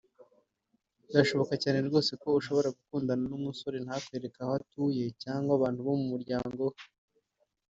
Birashoboka cyane rwose ko ushobora gukundana n’umusore ntakwereke aho atuye cyangwa abantu bo mu muryango we